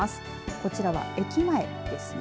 こちらは駅前ですね。